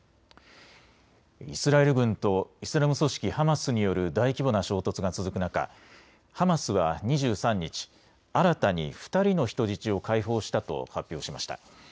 イスラエル軍とイスラム組織ハマスによる大規模な衝突が続く中、ハマスは２３日、新たに２人の人質を解放したと発表しました。